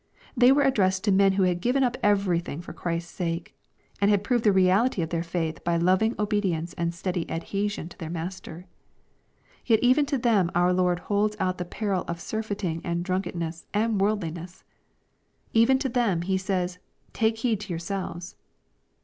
They were addressed to men who had given up everything for Christ's sake, and had proved the reality of their faith by loving obedience and steady adhesion to their Master. Yet even to them our Lord holds out the peril of surfeiting, and drunkenness, and worldliness I Even to them He says, *^ Take heed to yourselves."